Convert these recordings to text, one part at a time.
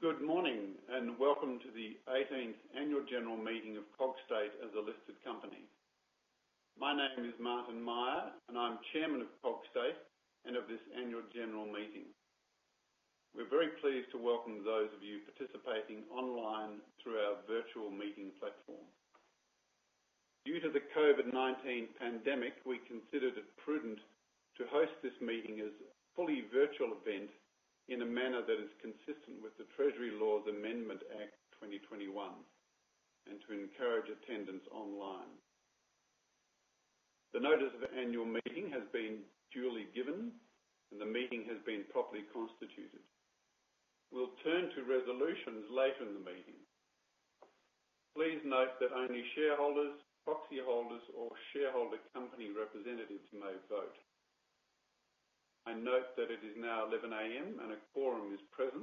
Good morning, and welcome to the 18th annual general meeting of Cogstate as a listed company. My name is Martyn Myer, and I'm Chairman of Cogstate and of this annual general meeting. We're very pleased to welcome those of you participating online through our virtual meeting platform. Due to the COVID-19 pandemic, we considered it prudent to host this meeting as a fully virtual event in a manner that is consistent with the Treasury Laws Amendment Act 2021 and to encourage attendance online. The notice of annual meeting has been duly given, and the meeting has been properly constituted. We'll turn to resolutions later in the meeting. Please note that only shareholders, proxy holders or shareholder company representatives may vote. I note that it is now 11 A.M. and a quorum is present,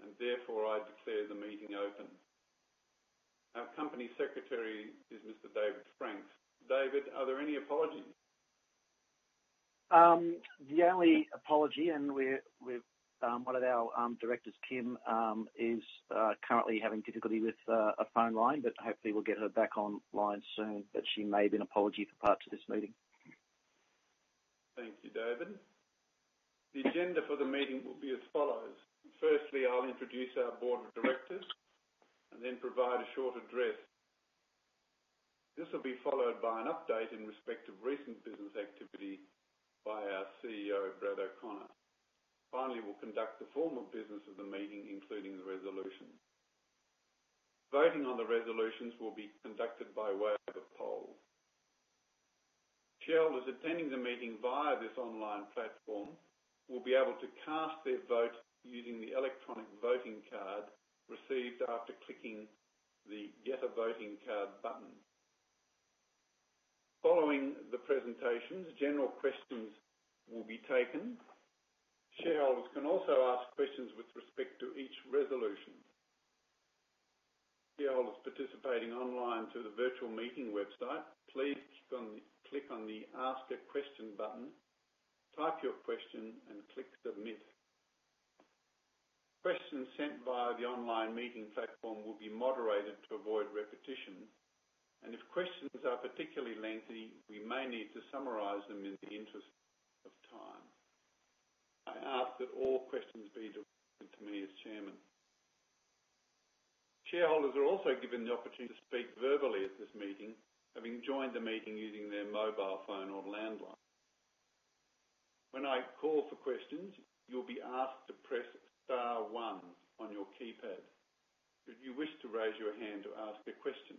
and therefore I declare the meeting open. Our company secretary is Mr. David Franks. David, are there any apologies? The only apology, and we're one of our directors, Kim, is currently having difficulty with a phone line, but hopefully we'll get her back online soon, but she made an apology for parts of this meeting. Thank you, David. The agenda for the meeting will be as follows. Firstly, I'll introduce our board of directors and then provide a short address. This will be followed by an update in respect of recent business activity by our CEO, Brad O'Connor. Finally, we'll conduct the formal business of the meeting, including the resolution. Voting on the resolutions will be conducted by way of a poll. Shareholders attending the meeting via this online platform will be able to cast their vote using the electronic voting card received after clicking the Get a Voting Card button. Following the presentations, general questions will be taken. Shareholders can also ask questions with respect to each resolution. Shareholders participating online through the virtual meeting website, please click on the Ask a Question button, type your question, and click Submit. Questions sent via the online meeting platform will be moderated to avoid repetition, and if questions are particularly lengthy, we may need to summarize them in the interest of time. I ask that all questions be directed to me as chairman. Shareholders are also given the opportunity to speak verbally at this meeting, having joined the meeting using their mobile phone or landline. When I call for questions, you'll be asked to press star 1 on your keypad if you wish to raise your hand to ask a question.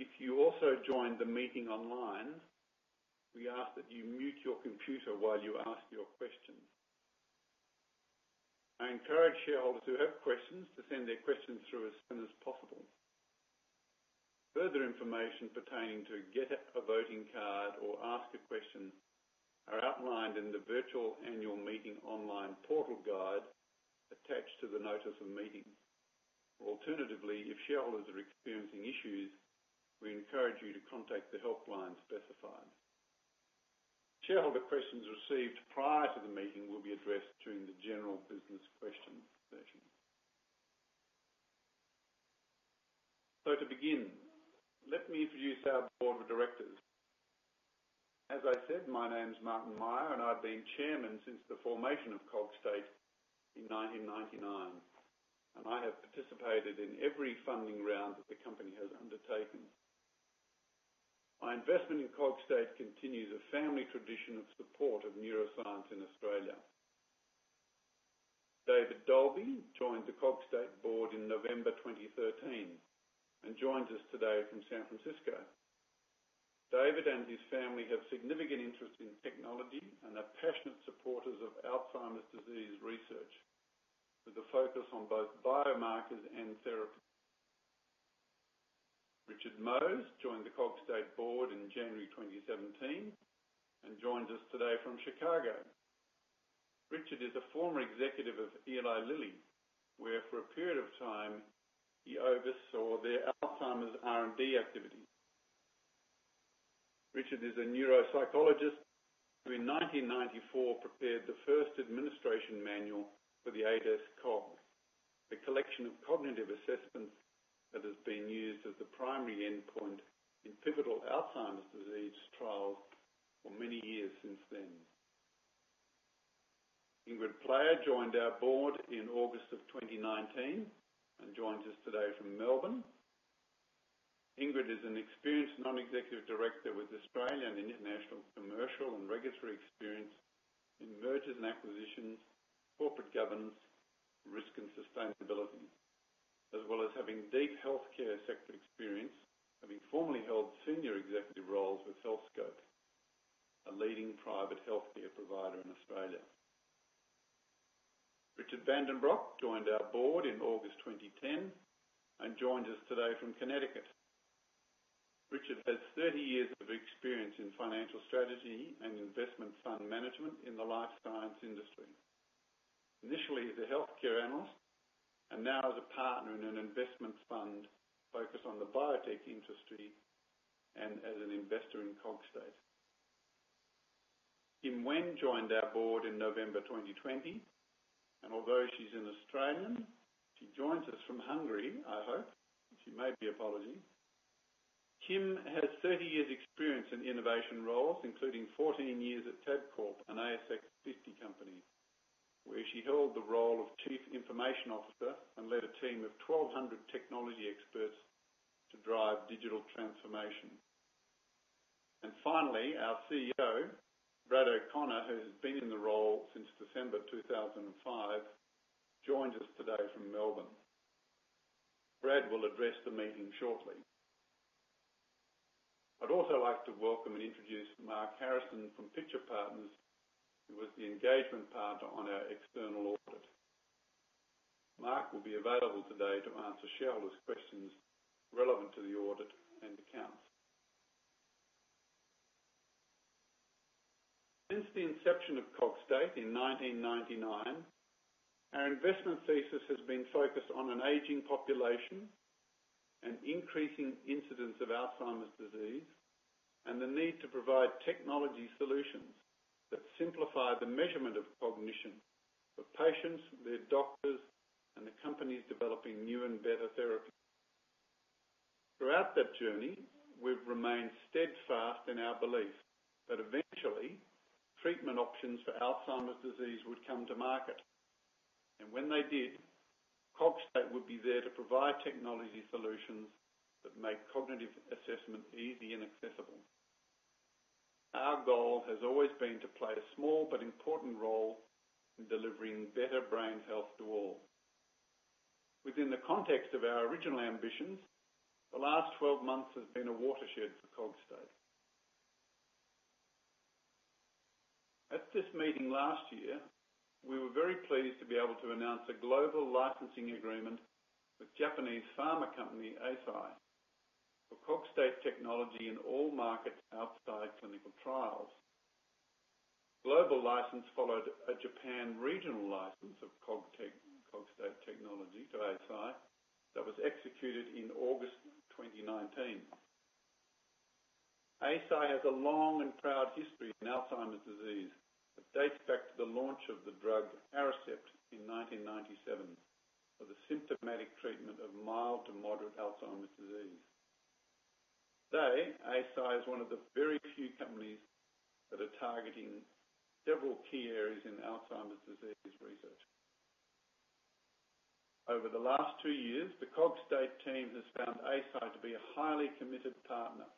If you also joined the meeting online, we ask that you mute your computer while you ask your question. I encourage shareholders who have questions to send their questions through as soon as possible. Further information pertaining to Get a Voting Card or Ask a Question are outlined in the Virtual Annual Meeting Online Portal Guide attached to the notice of meeting. Alternatively, if shareholders are experiencing issues, we encourage you to contact the helpline specified. Shareholder questions received prior to the meeting will be addressed during the general business question session. To begin, let me introduce our board of directors. As I said, my name is Martyn Myer, and I've been Chairman since the formation of Cogstate in 1999, and I have participated in every funding round that the company has undertaken. My investment in Cogstate continues a family tradition of support of neuroscience in Australia. David Dolby joined the Cogstate board in November 2013 and joins us today from San Francisco. David Dolby and his family have significant interest in technology and are passionate supporters of Alzheimer's disease research with a focus on both biomarkers and therapies. Richard Mohs joined the Cogstate board in January 2017 and joins us today from Chicago. Richard is a former executive of Eli Lilly, where for a period of time he oversaw their Alzheimer's R&D activity. Richard is a neuropsychologist who in 1994 prepared the first administration manual for the ADAS-Cog, a collection of cognitive assessments that has been used as the primary endpoint in pivotal Alzheimer's disease trials for many years since then. Ingrid Player joined our board in August 2019 and joins us today from Melbourne. Ingrid is an experienced non-executive director with Australian and international commercial and regulatory experience in mergers and acquisitions, corporate governance, risk, and sustainability. As well as having deep healthcare sector experience, formerly held senior executive roles with Healthscope, a leading private healthcare provider in Australia. Richard van den Broek joined our board in August 2010 and joins us today from Connecticut. Richard has 30 years of experience in financial strategy and investment fund management in the life science industry. Initially as a healthcare analyst and now as a partner in an investment fund focused on the biotech industry and as an investor in Cogstate. Kim Wenn joined our board in November 2020, and although she's an Australian, she joins us from Hungary, I hope. She may be apologetic. Kim has 30 years experience in innovation roles, including 14 years at Tabcorp, an ASX 50 company, where she held the role of Chief Information Officer and led a team of 1,200 technology experts to drive digital transformation. Finally, our CEO, Brad O'Connor, who has been in the role since December 2005, joins us today from Melbourne. Brad will address the meeting shortly. I'd also like to welcome and introduce Mark Harrison from Pitcher Partners, who was the engagement partner on our external audit. Mark will be available today to answer shareholders' questions relevant to the audit and accounts. Since the inception of Cogstate in 1999, our investment thesis has been focused on an aging population, an increasing incidence of Alzheimer's disease, and the need to provide technology solutions that simplify the measurement of cognition for patients, their doctors, and the companies developing new and better therapies. Throughout that journey, we've remained steadfast in our belief that eventually treatment options for Alzheimer's disease would come to market, and when they did, Cogstate would be there to provide technology solutions that make cognitive assessment easy and accessible. Our goal has always been to play a small but important role in delivering better brain health to all. Within the context of our original ambitions, the last 12 months has been a watershed for Cogstate. At this meeting last year, we were very pleased to be able to announce a global licensing agreement with Japanese pharma company, Eisai, for Cogstate technology in all markets outside clinical trials. Global license followed a Japan regional license of Cogstate technology to Eisai that was executed in August 2019. Eisai has a long and proud history in Alzheimer's disease that dates back to the launch of the drug Aricept in 1997 for the symptomatic treatment of mild to moderate Alzheimer's disease. Today, Eisai is one of the very few companies that are targeting several key areas in Alzheimer's disease research. Over the last two years, the Cogstate team has found Eisai to be a highly committed partner,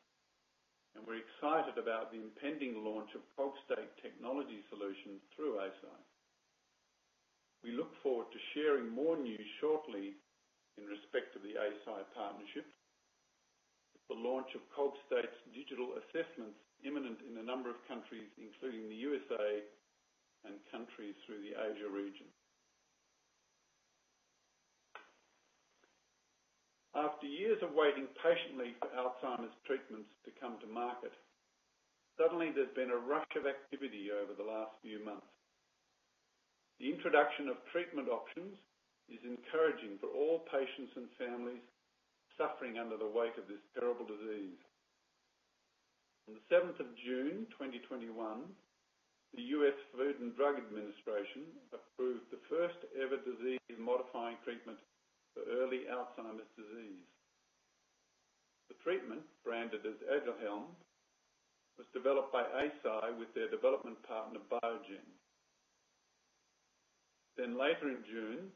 and we're excited about the impending launch of Cogstate technology solutions through Eisai. We look forward to sharing more news shortly in respect to the Eisai partnership. The launch of Cogstate's digital assessments is imminent in a number of countries, including the USA and countries throughout the Asia region. After years of waiting patiently for Alzheimer's treatments to come to market, suddenly there's been a rush of activity over the last few months. The introduction of treatment options is encouraging for all patients and families suffering under the weight of this terrible disease. On June 7, 2021, the U.S. Food and Drug Administration approved the first-ever disease-modifying treatment for early Alzheimer's disease. The treatment, branded as Aduhelm, was developed by Eisai with their development partner, Biogen. Later in June,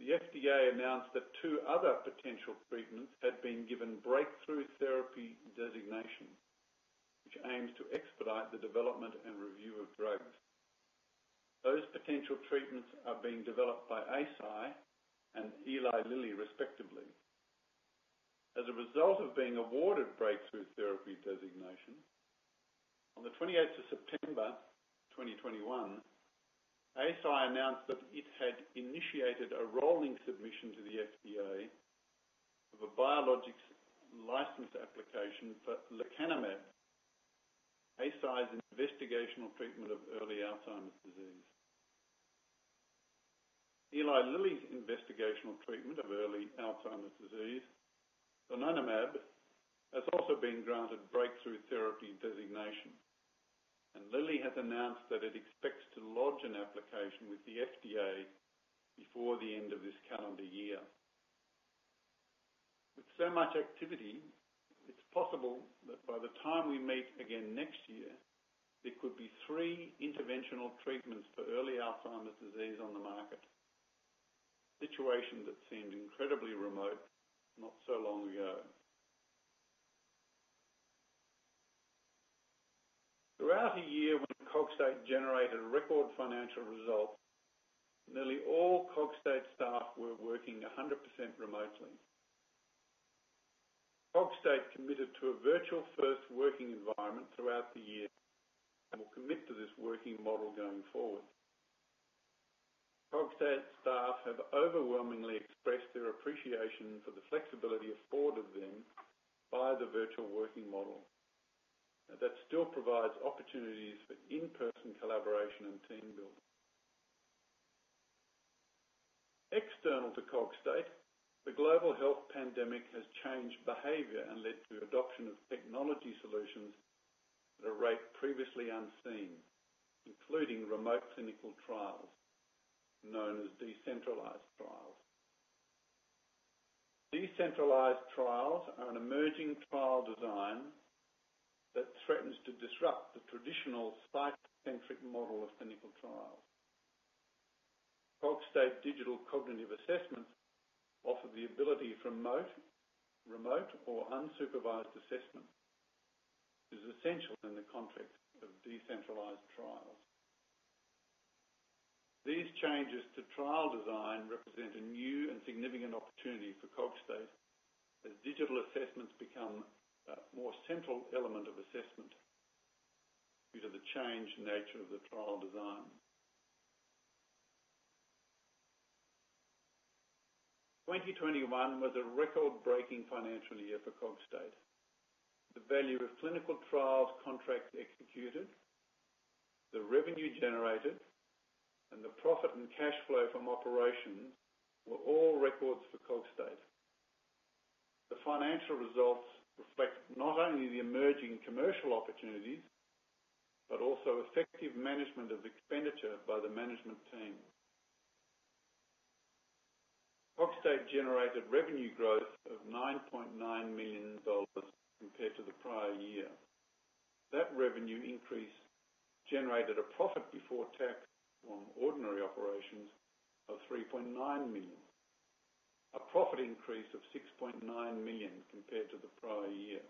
the FDA announced that two other potential treatments had been given Breakthrough Therapy designation, which aims to expedite the development and review of drugs. Those potential treatments are being developed by Eisai and Eli Lilly, respectively. As a result of being awarded Breakthrough Therapy designation, on September 28, 2021, Eisai announced that it had initiated a rolling submission to the FDA of a Biologics License Application for lecanemab, Eisai's investigational treatment of early Alzheimer's disease. Eli Lilly's investigational treatment of early Alzheimer's disease, donanemab, has also been granted Breakthrough Therapy designation, and Lilly has announced that it expects to lodge an application with the FDA before the end of this calendar year. With so much activity, it's possible that by the time we meet again next year, there could be three interventional treatments for early Alzheimer's disease on the market, a situation that seemed incredibly remote not so long ago. Throughout a year when Cogstate generated record financial results, nearly all Cogstate staff were working 100% remotely. Cogstate committed to a virtual-first working environment throughout the year and will commit to this working model going forward. Cogstate staff have overwhelmingly expressed their appreciation for the flexibility afforded them by the virtual working model that still provides opportunities for in-person collaboration and team building. External to Cogstate, the global health pandemic has changed behavior and led to adoption of technology solutions at a rate previously unseen, including remote clinical trials, known as decentralized trials. Decentralized trials are an emerging trial design that threatens to disrupt the traditional site-centric model of clinical trials. Cogstate digital cognitive assessments offer the ability for remote or unsupervised assessment, which is essential in the context of decentralized trials. These changes to trial design represent a new and significant opportunity for Cogstate as digital assessments become a more central element of assessment due to the changed nature of the trial design. 2021 was a record-breaking financial year for Cogstate. The value of clinical trials contracts executed, the revenue generated, and the profit and cash flow from operations were all records for Cogstate. The financial results reflect not only the emerging commercial opportunities, but also effective management of expenditure by the management team. Cogstate generated revenue growth of 9.9 million dollars compared to the prior year. That revenue increase generated a profit before tax from ordinary operations of 3.9 million, a profit increase of 6.9 million compared to the prior year.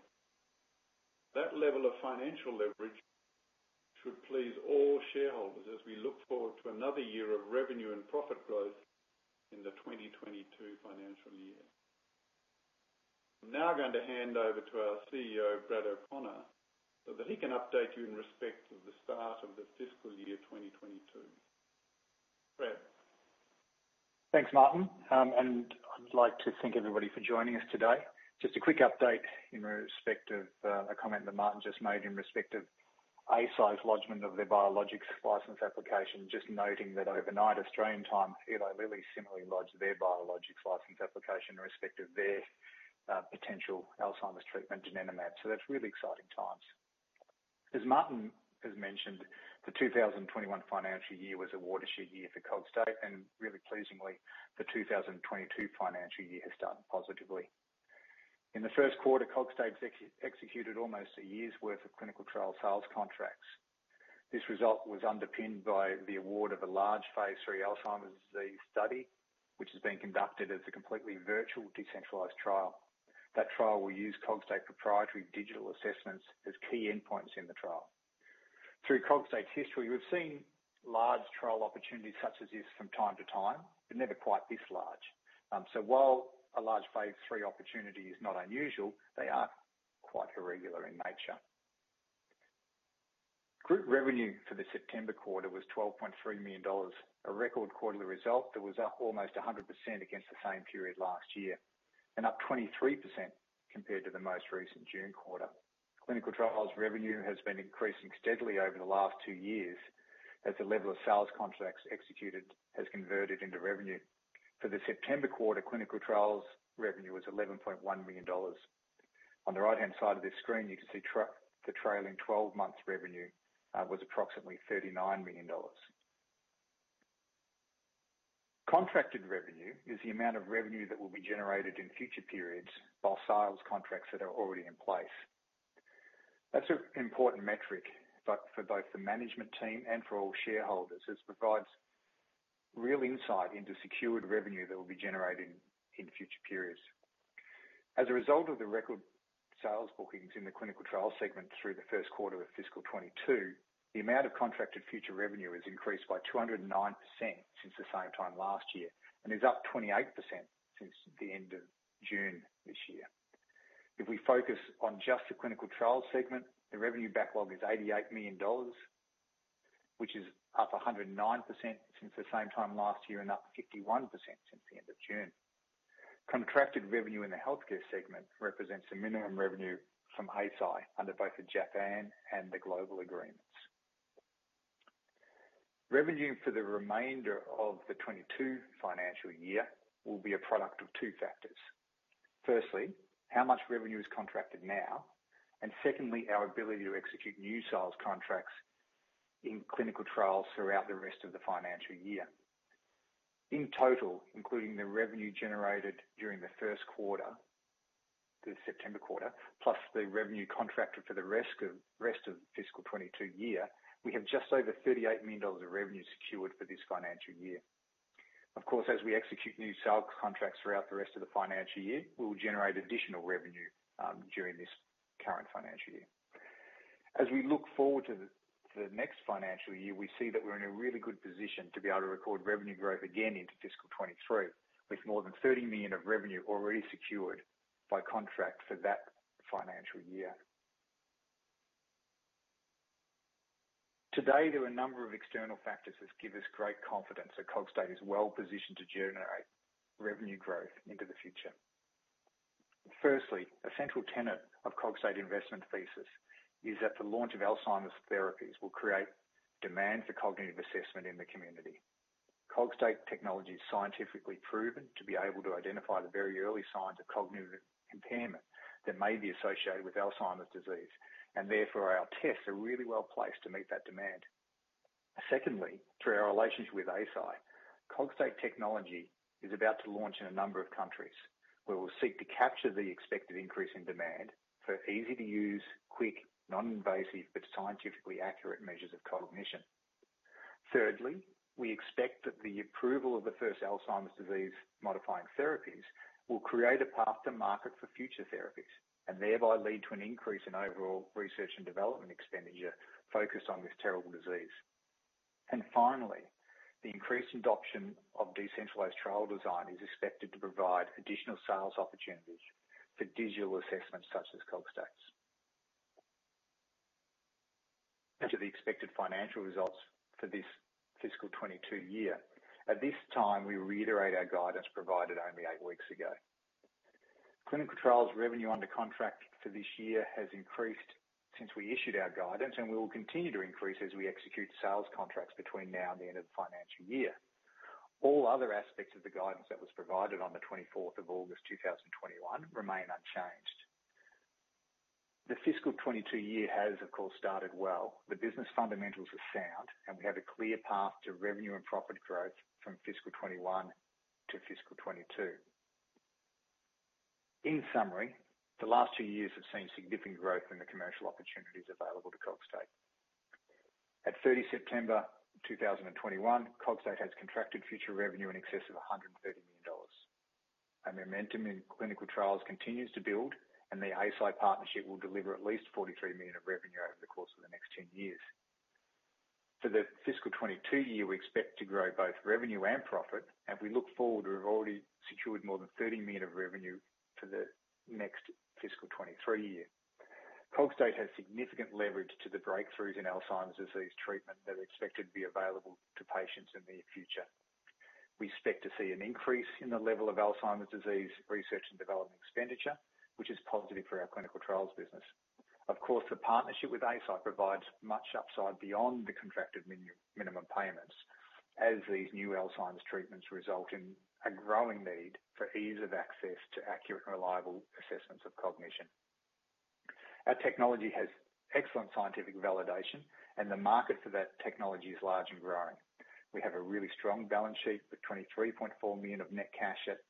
That level of financial leverage should please all shareholders as we look forward to another year of revenue and profit growth in the 2022 financial year. I'm now going to hand over to our CEO, Brad O'Connor, so that he can update you in respect of the start of the fiscal year 2022. Brad? Thanks, Martyn, and I'd like to thank everybody for joining us today. Just a quick update in respect of a comment that Martyn just made in respect of Eisai's lodgment of their biologics license application. Just noting that overnight Australian time, Eli Lilly similarly lodged their biologics license application in respect of their potential Alzheimer's treatment, donanemab. That's really exciting times. As Martyn has mentioned, the 2021 financial year was a watershed year for Cogstate and really pleasingly, the 2022 financial year has started positively. In the first quarter, Cogstate executed almost a year's worth of clinical trial sales contracts. This result was underpinned by the award of a large phase III Alzheimer's disease study, which is being conducted as a completely virtual decentralized trial. That trial will use Cogstate proprietary digital assessments as key endpoints in the trial. Through Cogstate's history, we've seen large trial opportunities such as this from time to time, but never quite this large. While a large phase III opportunity is not unusual, they are quite irregular in nature. Group revenue for the September quarter was 12.3 million dollars, a record quarterly result that was up almost 100% against the same period last year, and up 23% compared to the most recent June quarter. Clinical trials revenue has been increasing steadily over the last two years as the level of sales contracts executed has converted into revenue. For the September quarter, clinical trials revenue was 11.1 million dollars. On the right-hand side of this screen, you can see the trailing 12 months revenue was approximately AUD 39 million. Contracted revenue is the amount of revenue that will be generated in future periods by sales contracts that are already in place. That's an important metric, but for both the management team and for all shareholders, as it provides real insight into secured revenue that will be generated in future periods. As a result of the record sales bookings in the clinical trial segment through the first quarter of fiscal 2022, the amount of contracted future revenue has increased by 209% since the same time last year, and is up 28% since the end of June this year. If we focus on just the clinical trial segment, the revenue backlog is 88 million dollars, which is up 109% since the same time last year, and up 51% since the end of June. Contracted revenue in the Healthcare segment represents the minimum revenue from Eisai under both the Japan and the global agreements. Revenue for the remainder of the 2022 financial year will be a product of two factors. Firstly, how much revenue is contracted now, and secondly, our ability to execute new sales contracts in clinical trials throughout the rest of the financial year. In total, including the revenue generated during the first quarter, the September quarter, plus the revenue contracted for the rest of the fiscal 2022 year, we have just over 38 million dollars of revenue secured for this financial year. Of course, as we execute new sales contracts throughout the rest of the financial year, we will generate additional revenue during this current financial year. As we look forward to the next financial year, we see that we're in a really good position to be able to record revenue growth again into fiscal 2023, with more than 30 million of revenue already secured by contract for that financial year. Today, there are a number of external factors that give us great confidence that Cogstate is well positioned to generate revenue growth into the future. Firstly, a central tenet of Cogstate investment thesis is that the launch of Alzheimer's therapies will create demand for cognitive assessment in the community. Cogstate technology is scientifically proven to be able to identify the very early signs of cognitive impairment that may be associated with Alzheimer's disease, and therefore our tests are really well placed to meet that demand. Secondly, through our relationship with Eisai, Cogstate technology is about to launch in a number of countries where we'll seek to capture the expected increase in demand for easy-to-use, quick, non-invasive, but scientifically accurate measures of cognition. Thirdly, we expect that the approval of the first Alzheimer's disease modifying therapies will create a path to market for future therapies and thereby lead to an increase in overall research and development expenditure focused on this terrible disease. Finally, the increased adoption of decentralized trial design is expected to provide additional sales opportunities for digital assessments such as Cogstate's. On to the expected financial results for this fiscal 2022 year. At this time, we reiterate our guidance provided only eight weeks ago. Clinical trials revenue under contract for this year has increased since we issued our guidance, and we will continue to increase as we execute sales contracts between now and the end of the financial year. All other aspects of the guidance that was provided on the 24th of August 2021 remain unchanged. The fiscal 2022 year has, of course, started well. The business fundamentals are sound, and we have a clear path to revenue and profit growth from fiscal 2021 to fiscal 2022. In summary, the last two years have seen significant growth in the commercial opportunities available to Cogstate. At September 30, 2021, Cogstate has contracted future revenue in excess of 130 million dollars. Our momentum in clinical trials continues to build, and the Eisai partnership will deliver at least 43 million of revenue over the course of the next ten years. For the fiscal 2022 year, we expect to grow both revenue and profit, and we look forward to have already secured more than 30 million of revenue for the next fiscal 2023 year. Cogstate has significant leverage to the breakthroughs in Alzheimer's disease treatment that are expected to be available to patients in the near future. We expect to see an increase in the level of Alzheimer's disease research and development expenditure, which is positive for our clinical trials business. Of course, the partnership with Eisai provides much upside beyond the contracted minimum payments as these new Alzheimer's treatments result in a growing need for ease of access to accurate and reliable assessments of cognition. Our technology has excellent scientific validation, and the market for that technology is large and growing. We have a really strong balance sheet with 23.4 million of net cash at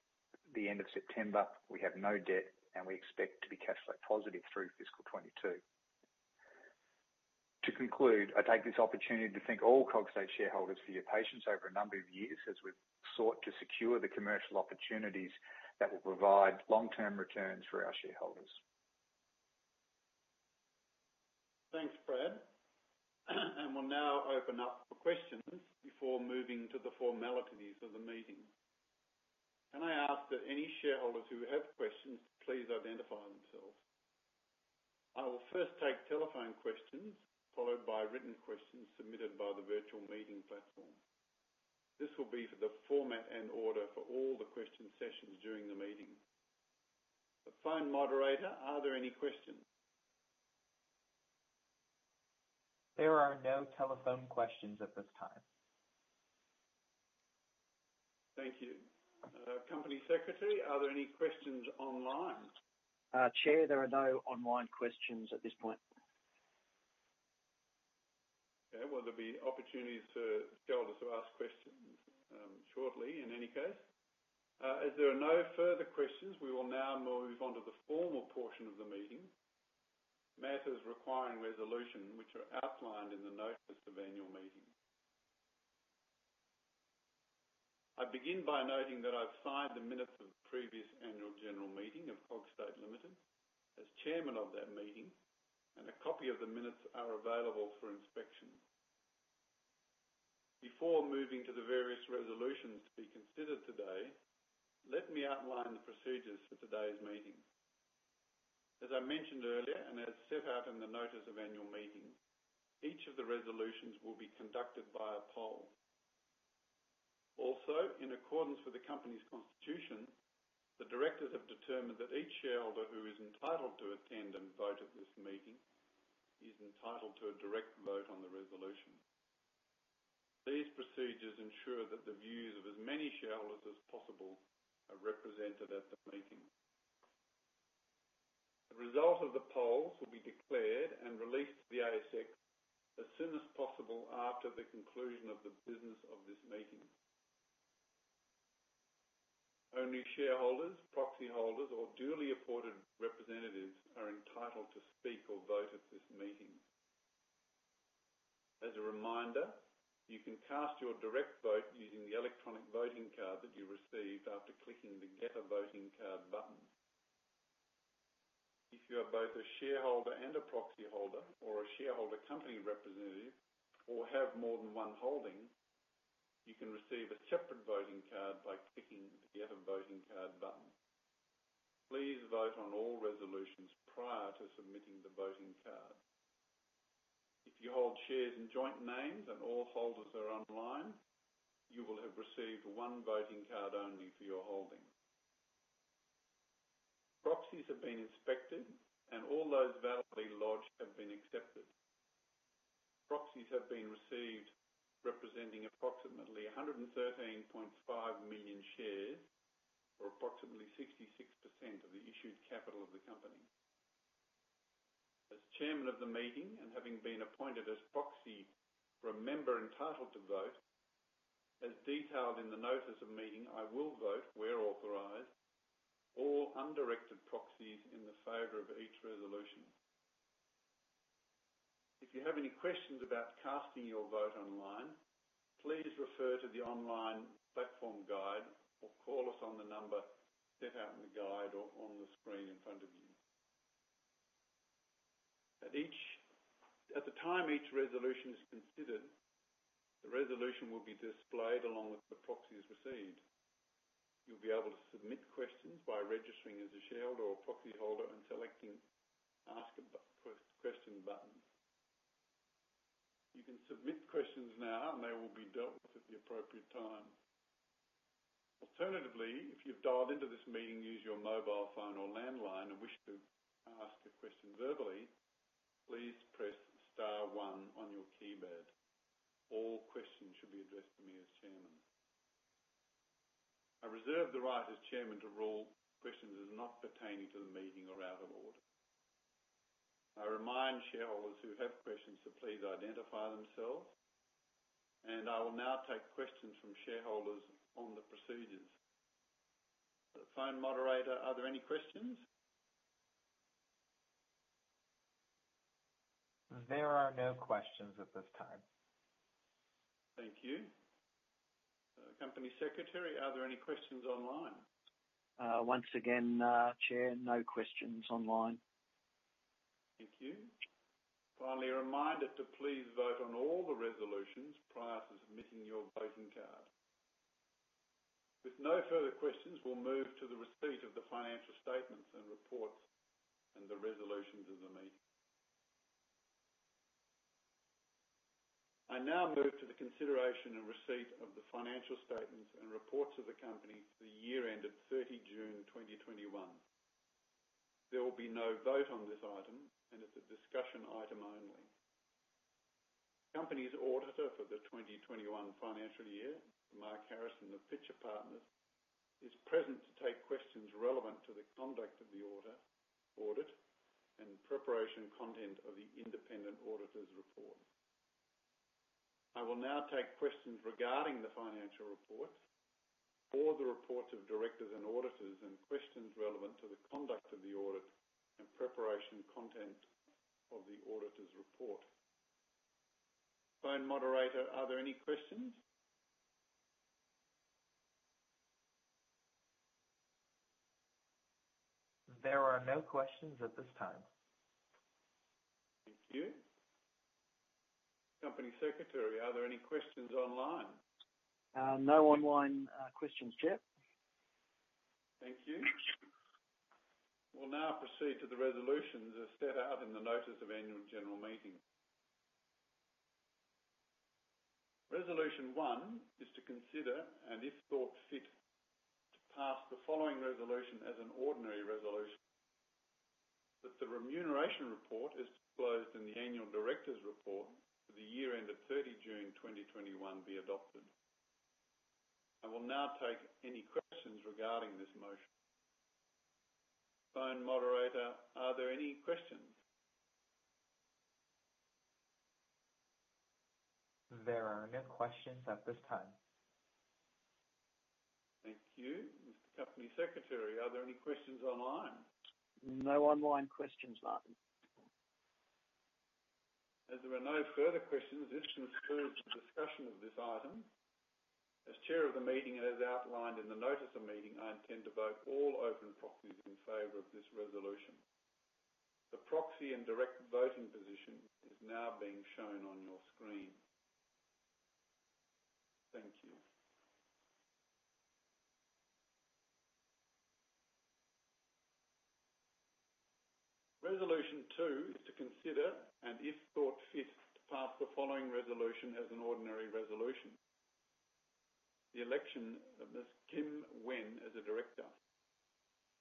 the end of September. We have no debt, and we expect to be cash flow positive through fiscal 2022. To conclude, I take this opportunity to thank all Cogstate shareholders for your patience over a number of years as we've sought to secure the commercial opportunities that will provide long-term returns for our shareholders. Thanks, Brad. We'll now open up for questions before moving to the formalities of the meeting. Can I ask that any shareholders who have questions, please identify themselves? I will first take telephone questions, followed by written questions submitted by the virtual meeting platform. This will be for the format and order for all the question sessions during the meeting. The phone moderator, are there any questions? There are no telephone questions at this time. Thank you. Company secretary, are there any questions online? Chair, there are no online questions at this point. Okay. Well, there'll be opportunities for shareholders to ask questions, shortly in any case. As there are no further questions, we will now move on to the formal portion of the meeting. Matters requiring resolution which are outlined in the notice of annual meeting. I begin by noting that I've signed the minutes of the previous annual general meeting of Cogstate Limited as chairman of that meeting, and a copy of the minutes are available for inspection. Before moving to the various resolutions to be considered today, let me outline the procedures for today's meeting. As I mentioned earlier, and as set out in the notice of annual meeting, each of the resolutions will be conducted via poll. In accordance with the company's constitution, the directors have determined that each shareholder who is entitled to attend and vote at this meeting is entitled to a direct vote on the resolution. These procedures ensure that the views of as many shareholders as possible are represented at the meeting. The result of the polls will be declared and released to the ASX as soon as possible after the conclusion of the business of this meeting. Only shareholders, proxy holders or duly afforded representatives are entitled to speak or vote at this meeting. As a reminder, you can cast your direct vote using the electronic voting card that you received after clicking the Get a Voting Card button. If you are both a shareholder and a proxy holder or a shareholder company representative or have more than one holding, you can receive a separate voting card by clicking the Get a Voting Card button. Please vote on all resolutions prior to submitting the voting card. If you hold shares in joint names and all holders are online, you will have received one voting card only for your holding. Proxies have been inspected and all those validly lodged have been accepted. Proxies have been received representing approximately 113.5 million shares or approximately 66% of the issued capital of the company. As Chairman of the meeting and having been appointed as proxy for a member entitled to vote, as detailed in the notice of meeting, I will vote where authorized, all undirected proxies in favor of each resolution. If you have any questions about casting your vote online, please refer to the online platform guide or call us on the number set out in the guide or on the screen in front of you. At the time each resolution is considered, the resolution will be displayed along with the proxies received. You'll be able to submit questions by registering as a shareholder or proxy holder and selecting Ask a Question button. You can submit questions now and they will be dealt with at the appropriate time. Alternatively, if you've dialed into this meeting, use your mobile phone or landline and wish to ask a question verbally, please press star 1 on your keypad. All questions should be addressed to me as chairman. I reserve the right as chairman to rule questions as not pertaining to the meeting or out of order. I remind shareholders who have questions to please identify themselves, and I will now take questions from shareholders on the procedures. Phone moderator, are there any questions? There are no questions at this time. Thank you. Company Secretary, are there any questions online? Once again, chair, no questions online. Thank you. Finally, a reminder to please vote on all the resolutions prior to submitting your voting card. With no further questions, we'll move to the receipt of the financial statements and reports and the resolutions of the meeting. I now move to the consideration and receipt of the financial statements and reports of the company for the year ended June 30 2021. There will be no vote on this item, and it's a discussion item only. The company's auditor for the 2021 financial year, Mark Harrison of Pitcher Partners, is present to take questions relevant to the conduct of the audit and preparation and content of the independent auditor's report. I will now take questions regarding the financial report or the reports of directors and auditors, and questions relevant to the conduct of the audit and preparation and content of the auditor's report. Phone moderator, are there any questions? There are no questions at this time. Thank you. Company Secretary, are there any questions online? No online questions yet. Thank you. We'll now proceed to the resolutions as set out in the notice of annual general meeting. Resolution 1 is to consider, and if thought fit, to pass the following resolution as an ordinary resolution. That the remuneration report as disclosed in the annual director's report for the year ended June 30, 2021 be adopted. I will now take any questions regarding this motion. Phone moderator, are there any questions? There are no questions at this time. Thank you. Mr. Company Secretary, are there any questions online? No online questions, Martyn. As there are no further questions in terms of discussion of this item, as chair of the meeting and as outlined in the notice of meeting, I intend to vote all open proxies in favor of this resolution. The proxy and direct voting position is now being shown on your screen. Thank you. Resolution 2 is to consider and if thought fit to pass the following resolution as an ordinary resolution. The election of Ms. Kim Wenn as a director.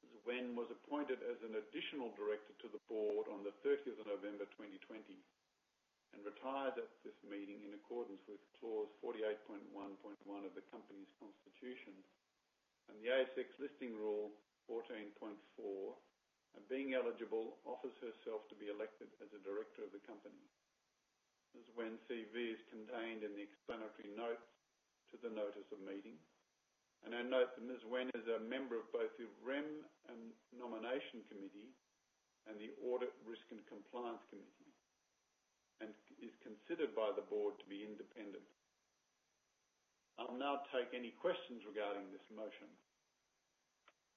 Ms. Wenn was appointed as an additional director to the board on the 30th of November 2020 and retired at this meeting in accordance with Clause 48.1.1 of the company's constitution and the ASX Listing Rule 14.4, and being eligible offers herself to be elected as a director of the company. Ms. Wenn's CV is contained in the explanatory notes to the notice of meeting. I note that Ms. Kim Wenn is a member of both the Remuneration and Nomination Committee and the Audit, Risk and Compliance Committee and is considered by the board to be independent. I'll now take any questions regarding this motion.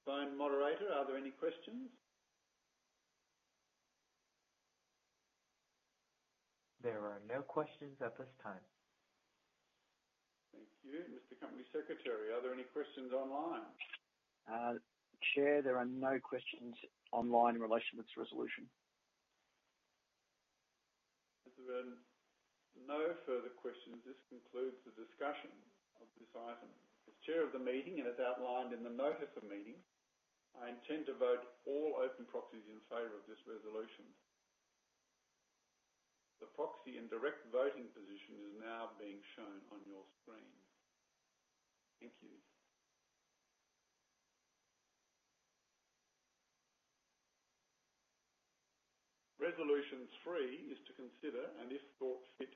Phone moderator, are there any questions? There are no questions at this time. Thank you, Mr. Company Secretary. Are there any questions online? Chair, there are no questions online in relation to this resolution. As there are no further questions, this concludes the discussion of this item. As chair of the meeting and as outlined in the notice of meeting, I intend to vote all open proxies in favor of this resolution. The proxy and direct voting position is now being shown on your screen. Thank you. Resolution 3 is to consider and if thought fit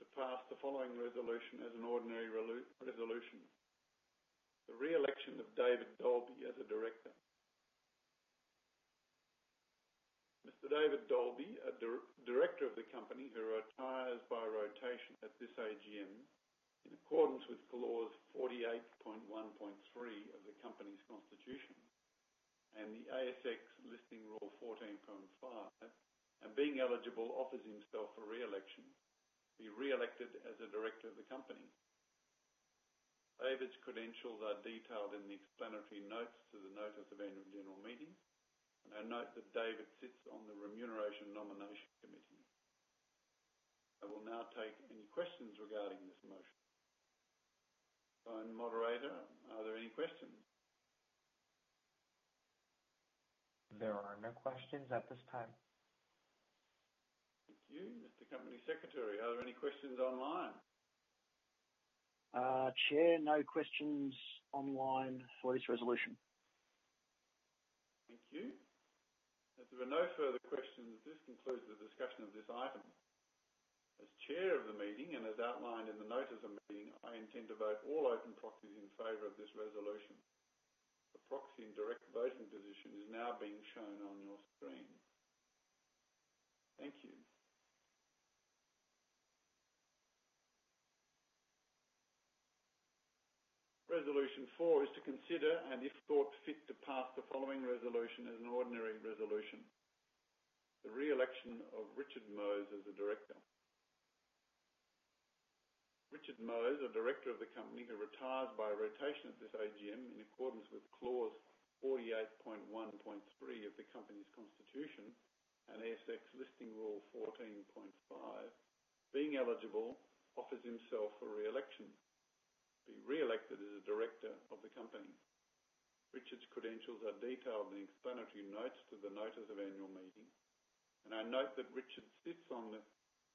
to pass the following resolution as an ordinary resolution. The re-election of David Dolby as a director. Mr. David Dolby, a director of the company who retires by rotation at this AGM in accordance with Clause 48.1.3 of the company's constitution and the ASX Listing Rule 14.5, and being eligible, offers himself for re-election, be re-elected as a director of the company. David's credentials are detailed in the explanatory notes to the notice of annual general meeting. I note that David sits on the Remuneration Nomination Committee. I will now take any questions regarding this motion. Phone moderator, are there any questions? There are no questions at this time. Thank you, Mr. Company Secretary, are there any questions online? Chair, no questions online for this resolution. Thank you. As there are no further questions, this concludes the discussion of this item. As chair of the meeting and as outlined in the notice of meeting, I intend to vote all open proxies in favor of this resolution. The proxy and direct voting position is now being shown on your screen. Thank you. Resolution 4 is to consider and if thought fit to pass the following resolution as an ordinary resolution. The re-election of Richard Mohs as a director. Richard Mohs, a director of the company who retires by rotation at this AGM in accordance with Clause 48.1.3 of the company's constitution and ASX Listing Rule 14.5, being eligible, offers himself for re-election, be re-elected as a director of the company. Richard's credentials are detailed in the explanatory notes to the notice of annual meeting. I note that Richard sits on the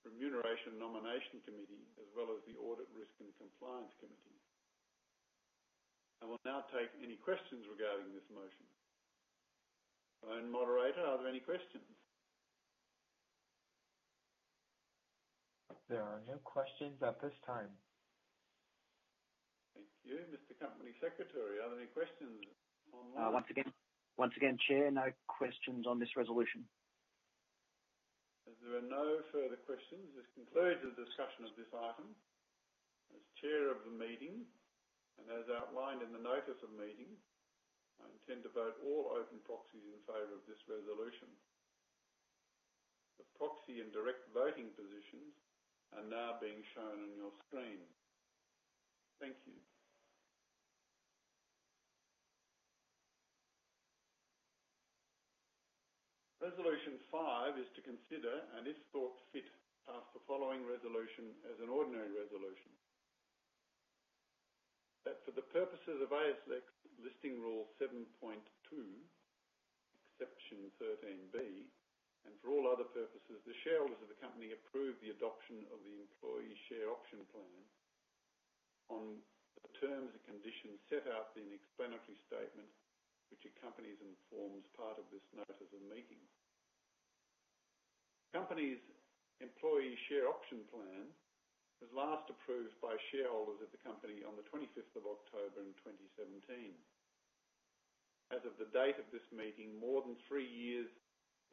Remuneration and Nomination Committee, as well as the Audit, Risk and Compliance Committee. I will now take any questions regarding this motion. Phone moderator, are there any questions? There are no questions at this time. Thank you. Mr. Company Secretary, are there any questions online? Once again, Chair, no questions on this resolution. As there are no further questions, this concludes the discussion of this item. As chair of the meeting and as outlined in the notice of meeting, I intend to vote all open proxies in favor of this resolution. The proxy and direct voting positions are now being shown on your screen. Thank you. Resolution 5 is to consider and if thought fit, pass the following resolution as an ordinary resolution. That for the purposes of ASX Listing Rule 7.2, Section 13B, and for all other purposes, the shareholders of the company approve the adoption of the Employee Share Option Plan on the terms and conditions set out in the explanatory statement which accompanies and forms part of this notice of meeting. The Company's Employee Share Option Plan was last approved by shareholders of the company on the 25th of October in 2017. As of the date of this meeting, more than three years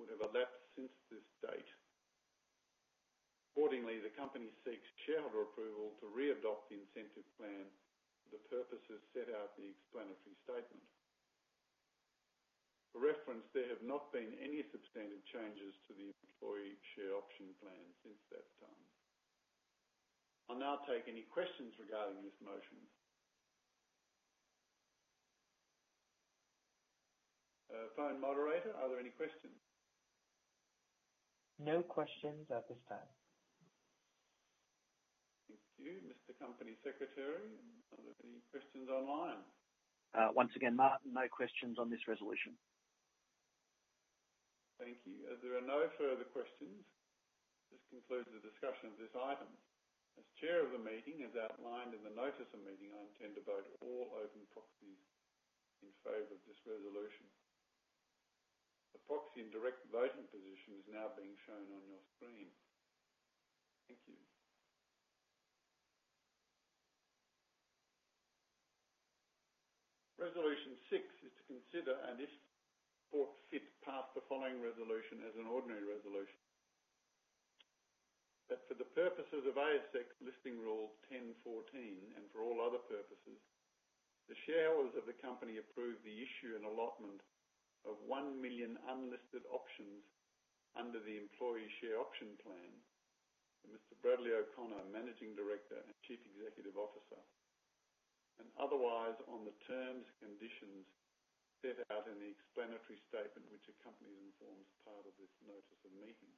would have elapsed since this date. Accordingly, the company seeks shareholder approval to re-adopt the incentive plan for the purposes set out in the explanatory statement. For reference, there have not been any substantive changes to the Employee Share Option Plan since that time. I'll now take any questions regarding this motion. Phone moderator, are there any questions? No questions at this time. Thank you. Mr. Company Secretary, are there any questions online? Once again, Martyn, no questions on this resolution. Thank you. As there are no further questions, this concludes the discussion of this item. As chair of the meeting, as outlined in the notice of meeting, I intend to vote all open proxies in favor of this resolution. The proxy and direct voting position is now being shown on your screen. Thank you. Resolution 6 is to consider and if thought fit, pass the following resolution as an ordinary resolution. That for the purposes of ASX Listing Rule 10.14 and for all other purposes. The shareholders of the company approve the issue and allotment of 1 million unlisted options under the Employee Share Option Plan to Mr. Brad O'Connor, Managing Director and Chief Executive Officer, and otherwise on the terms and conditions set out in the explanatory statement which accompanies and forms part of this notice of meeting.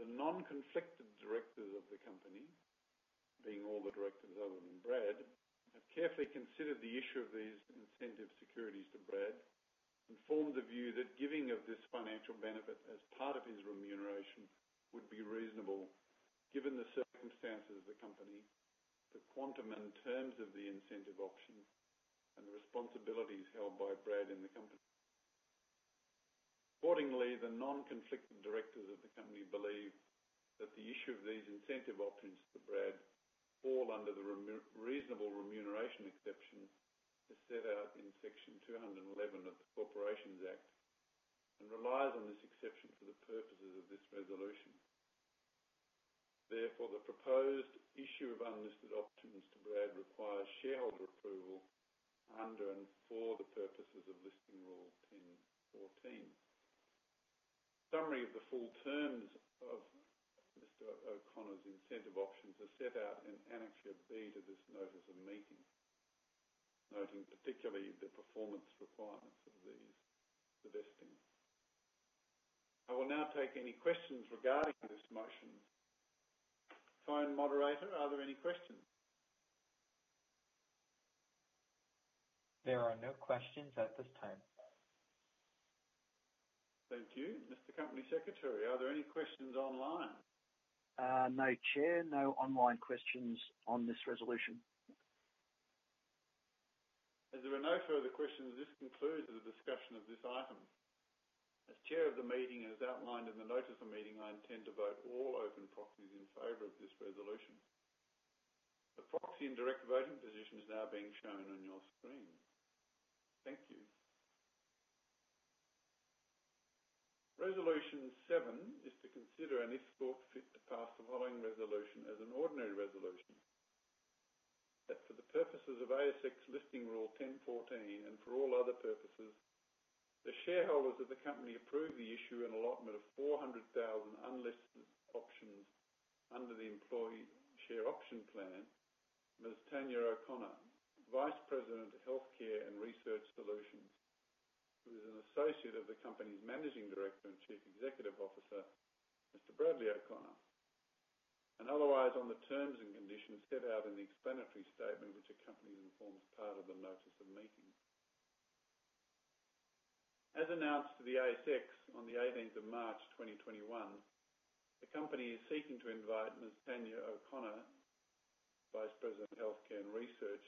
The non-conflicted directors of the company, being all the directors other than Brad, have carefully considered the issue of these incentive securities to Brad and formed the view that giving of this financial benefit as part of his remuneration would be reasonable given the circumstances of the company, the quantum and terms of the incentive option, and the responsibilities held by Brad in the company. Accordingly, the non-conflicted directors of the company believe that the issue of these incentive options to Brad fall under the reasonable remuneration exception as set out in Section 211 of the Corporations Act and relies on this exception for the purposes of this resolution. Therefore, the proposed issue of unlisted options to Brad requires shareholder approval under and for the purposes of ASX Listing Rule 10.14. Summary of the full terms of Mr. O'Connor's incentive options are set out in Annexure B to this notice of meeting. Noting particularly the performance requirements of these, the vesting. I will now take any questions regarding this motion. Phone moderator, are there any questions? There are no questions at this time. Thank you. Mr. Company Secretary, are there any questions online? No, Chair. No online questions on this resolution. As there are no further questions, this concludes the discussion of this item. As chair of the meeting, as outlined in the notice of meeting, I intend to vote all open proxies in favor of this resolution. The proxy and director voting position is now being shown on your screen. Thank you. Resolution 7 is to consider and if thought fit to pass the following resolution as an ordinary resolution. That for the purposes of ASX Listing Rule 10.14 and for all other purposes, the shareholders of the company approve the issue and allotment of 400,000 unlisted options under the Employee Share Option Plan to Ms. Tanya O'Connor, Vice President of Healthcare and Research Solutions, who is an associate of the company's Managing Director and Chief Executive Officer, Mr. Brad O'Connor. Otherwise, on the terms and conditions set out in the explanatory statement which accompanies and forms part of the notice of meeting. As announced to the ASX on the 18th of March, 2021, the company is seeking to invite Ms. Tanya O'Connor, Vice President of Healthcare and Research,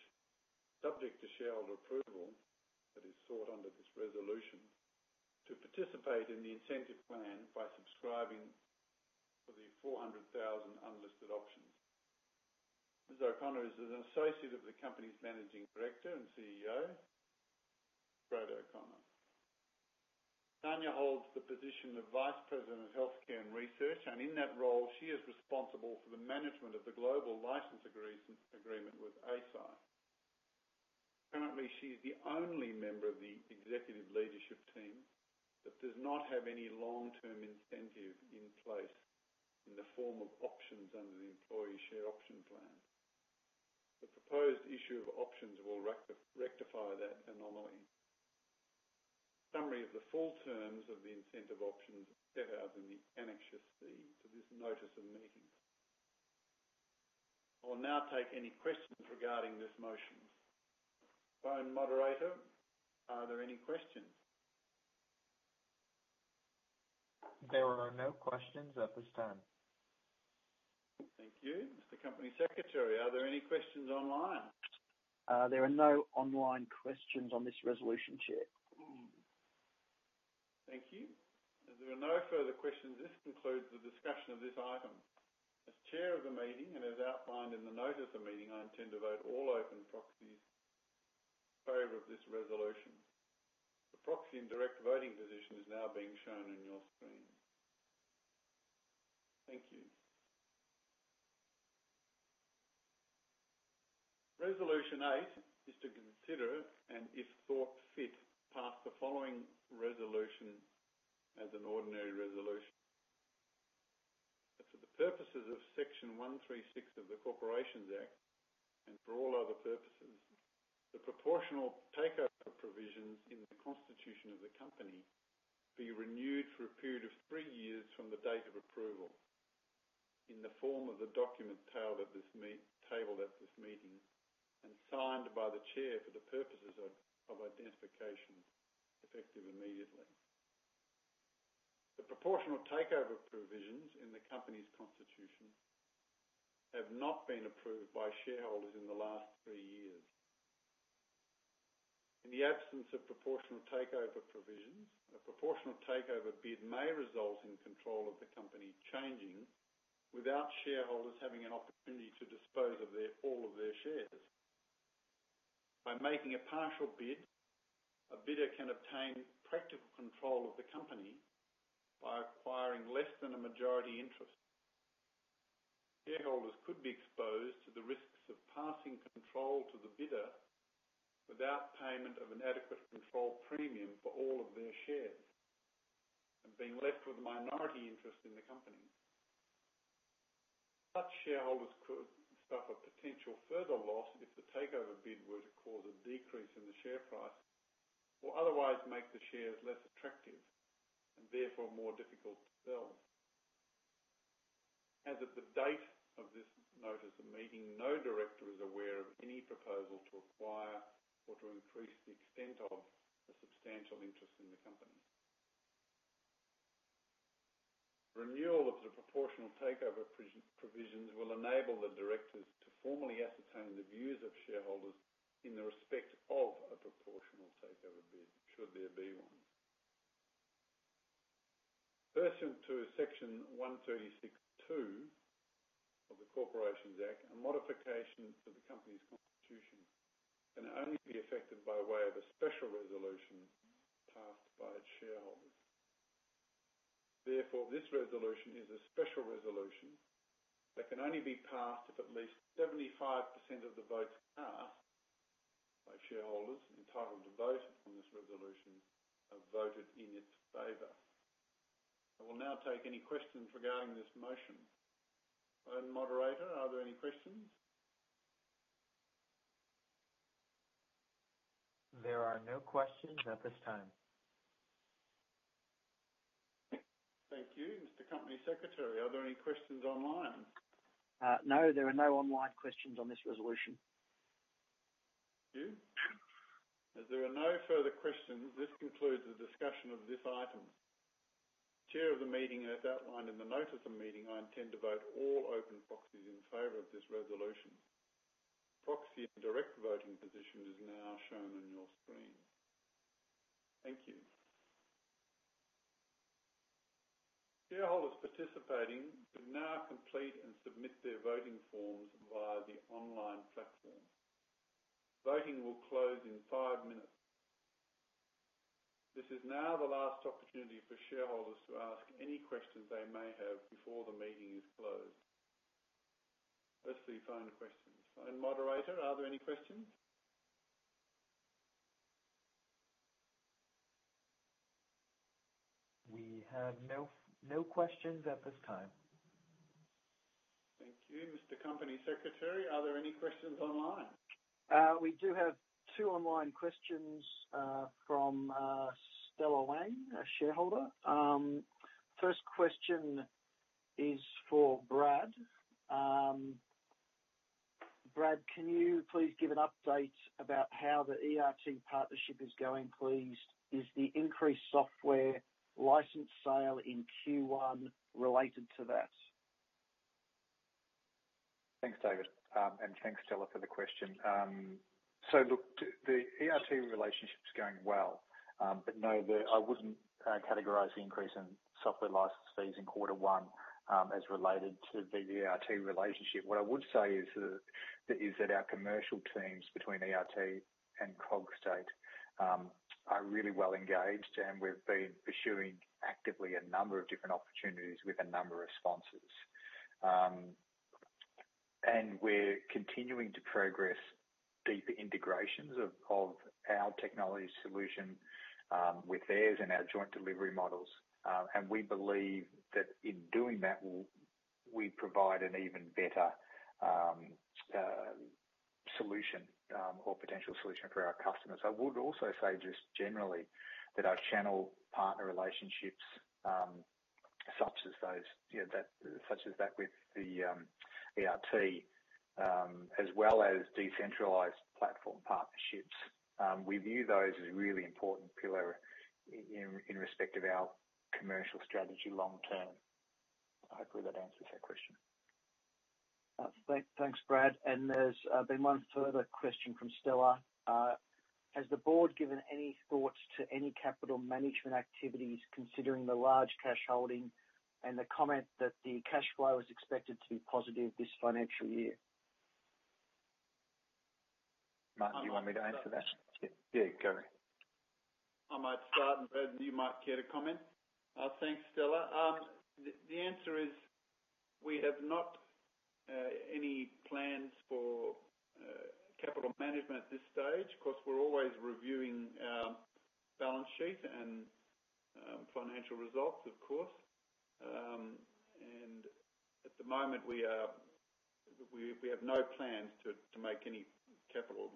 subject to shareholder approval that is sought under this resolution, to participate in the incentive plan by subscribing for the 400,000 unlisted options. Ms. O'Connor is an associate of the company's Managing Director and CEO, Brad O'Connor. Tanya holds the position of Vice President of Healthcare and Research, and in that role, she is responsible for the management of the global license agreement with Eisai. Currently, she's the only member of the executive leadership team that does not have any long-term incentive in place in the form of options under the Employee Share Option Plan. The proposed issue of options will rectify that anomaly. Summary of the full terms of the incentive options are set out in the Annexure C to this notice of meeting. I will now take any questions regarding this motion. Phone moderator, are there any questions? There are no questions at this time. Thank you. Mr. Company Secretary, are there any questions online? There are no online questions on this resolution, Chair. Thank you. As there are no further questions, this concludes the discussion of this item. As chair of the meeting and as outlined in the notice of meeting, I intend to vote all open proxies in favor of this resolution. The proxy and director voting position is now being shown on your screen. Thank you. Resolution 8 is to consider and if thought fit, pass the following resolution as an ordinary resolution. That for the purposes of Section 136 of the Corporations Act and for all other purposes, the proportional takeover provisions in the constitution of the company be renewed for a period of three years from the date of approval in the form of the document tabled at this meeting and signed by the chair for the purposes of identification effective immediately. The proportional takeover provisions in the company's constitution have not been approved by shareholders in the last three years. In the absence of proportional takeover provisions, a proportional takeover bid may result in control of the company changing without shareholders having an opportunity to dispose of all of their shares. By making a partial bid, a bidder can obtain practical control of the company by acquiring less than a majority interest. Shareholders could be exposed to the risks of passing control to the bidder without payment of an adequate control premium for all of their shares and being left with minority interest in the company. Such shareholders could suffer potential further loss if the takeover bid were to cause a decrease in the share price or otherwise make the shares less attractive and therefore more difficult to sell. As of the date of this notice of meeting, no director is aware of any proposal to acquire or to increase the extent of a substantial interest in the company. Renewal of the proportional takeover provisions will enable the directors to formally ascertain the views of shareholders in respect of a proportional takeover bid, should there be one. Pursuant to Section 136(2) of the Corporations Act, a modification to the company's constitution can only be effected by way of a special resolution passed by its shareholders. Therefore, this resolution is a special resolution that can only be passed if at least 75% of the votes cast by shareholders entitled to vote on this resolution have voted in its favor. I will now take any questions regarding this motion. Phone moderator, are there any questions? There are no questions at this time. Thank you. Mr. Company Secretary, are there any questions online? No, there are no online questions on this resolution. Thank you. As there are no further questions, this concludes the discussion of this item. Chair of the meeting, as outlined in the notice of meeting, I intend to vote all open proxies in favor of this resolution. Proxy and direct voting position is now shown on your screen. Thank you. Shareholders participating should now complete and submit their voting forms via the online platform. Voting will close in five minutes. This is now the last opportunity for shareholders to ask any questions they may have before the meeting is closed. Let's see final questions. Phone moderator, are there any questions? We have no questions at this time. Thank you. Mr. Company Secretary, are there any questions online? We do have two online questions from Stella Wang, a shareholder. First question is for Brad. Brad, can you please give an update about how the ERT partnership is going, please? Is the increased software license sale in Q1 related to that? Thanks, David. Thanks, Stella, for the question. The ERT relationship is going well, but no, I wouldn't categorize the increase in software license fees in quarter one as related to the ERT relationship. What I would say is that our commercial teams between ERT and Cogstate are really well engaged, and we've been pursuing actively a number of different opportunities with a number of sponsors. We're continuing to progress deeper integrations of our technology solution with theirs in our joint delivery models. We believe that in doing that, we'll provide an even better solution or potential solution for our customers. I would also say just generally that our channel partner relationships, such as that with ERT, you know, as well as decentralized platform partnerships, we view those as a really important pillar in respect of our commercial strategy long term. Hopefully, that answers that question. Thanks, Brad. There's been one further question from Stella. Has the board given any thoughts to any capital management activities, considering the large cash holding and the comment that the cash flow is expected to be positive this financial year? Martyn, do you want me to answer that? Yeah, go. I might start, and Brad, you might care to comment. Thanks, Stella. The answer is we have not any plans for capital management at this stage. Of course, we're always reviewing our balance sheet and financial results, of course. At the moment, we have no plans to make any capital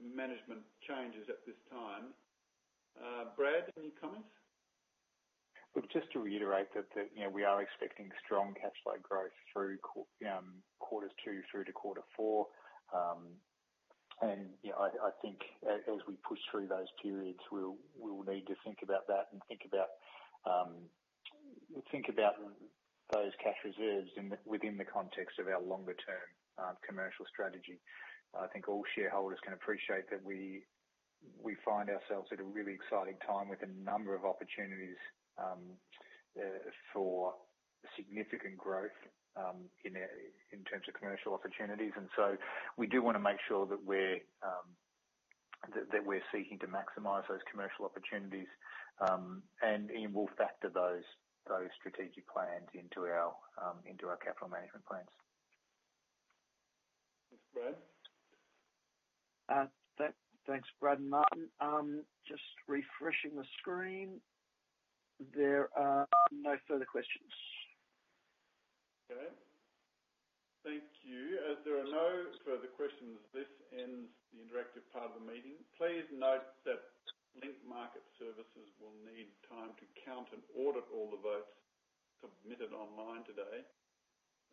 management changes at this time. Brad, any comments? Look, just to reiterate that, you know, we are expecting strong cash flow growth through quarters 2 through to quarter 4. You know, I think as we push through those periods, we'll need to think about that and think about those cash reserves within the context of our longer term commercial strategy. I think all shareholders can appreciate that we find ourselves at a really exciting time with a number of opportunities for significant growth in terms of commercial opportunities. We do wanna make sure that we're seeking to maximize those commercial opportunities. We'll factor those strategic plans into our capital management plans. Thanks, Brad. Thanks, Brad and Martyn. Just refreshing the screen. There are no further questions. Okay. Thank you. As there are no further questions, this ends the interactive part of the meeting. Please note that Link Market Services will need time to count and audit all the votes submitted online today.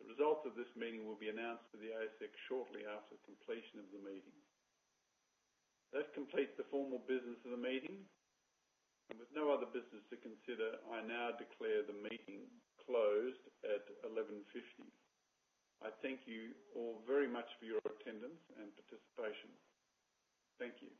The results of this meeting will be announced to the ASX shortly after completion of the meeting. That completes the formal business of the meeting. With no other business to consider, I now declare the meeting closed at 11:50 A.M. I thank you all very much for your attendance and participation. Thank you.